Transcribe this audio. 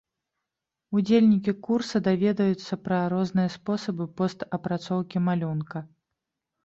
Удзельнікі курса даведаюцца пра розныя спосабы пост апрацоўкі малюнка.